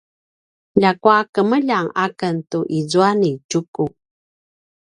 ljakua kemeljang a ken tu izua ni Tjuku